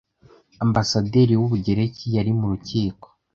Ambasaderi w'Ubugereki yari mu rukiko